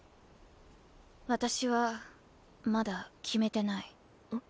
私はまだ決めてない。